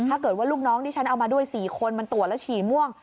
ถ้าเกิดว่าลูกน้องที่ฉันเอามาด้วย๔คนมันตรวจแล้วฉี่ม่วง